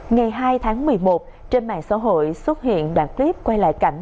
ngày hai tháng một mươi một trên mạng xã hội xuất hiện đoạn clip quay lại cảnh